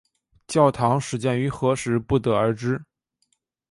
教堂始建于何时不得而知。